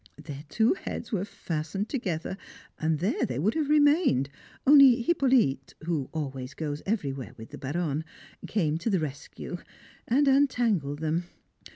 Their two heads were fastened together, and there they would have remained, only Hippolyte (who always goes everywhere with the Baronne) came to the rescue, and untangled them.